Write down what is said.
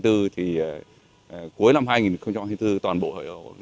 thì cuối năm hai nghìn hai mươi bốn toàn bộ hội hội